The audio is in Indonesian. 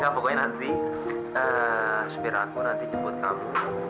pokoknya nanti supir aku jemput kamu